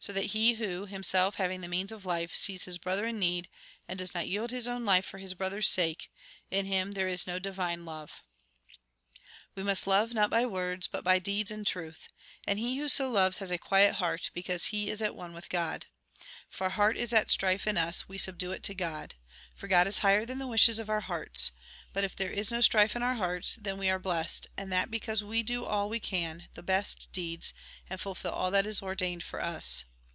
So that he who, himself having the means of life, sees his brother in need, and does not yield his own life for his brother's sake, — in him there is no divine love. We must love, not by words, but by deeds, in truth. And he who so loves has a quiet heart, because he is at one with God. 164 THE GOSPEL IN BRIEF If our heart is at strife in us, we subdue it to God. For God is higher than the wishes of our hearts. But if there is no strife in our hearts, then we are blessed, and that because we do all we can, the best deeds, and fulfil all that is ordained for us.